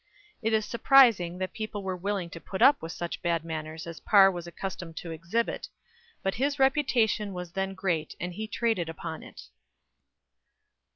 It is surprising that people were willing to put up with such bad manners as Parr was accustomed to exhibit; but his reputation was then great, and he traded upon it.